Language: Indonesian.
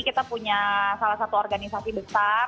kita punya salah satu organisasi besar